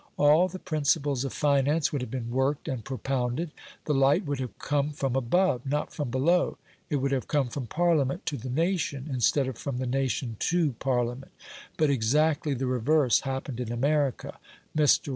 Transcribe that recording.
All the principles of finance would have been worked and propounded. The light would have come from above, not from below it would have come from Parliament to the nation instead of from the nation to Parliament But exactly the reverse happened in America. Mr.